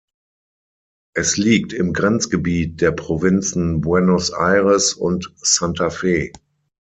Es liegt im Grenzgebiet der Provinzen Buenos Aires und Santa Fe.